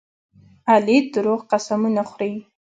علي دروغ قسمونه خوري.